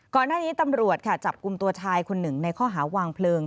ก่อนหน้านี้ตำรวจค่ะจับกลุ่มตัวชายคนหนึ่งในข้อหาวางเพลิง